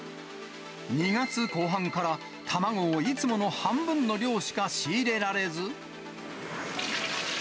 ２月後半から卵をいつもの半分の量しか仕入れられず。